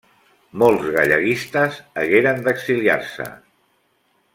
Molts galleguistes hagueren d'exiliar-se.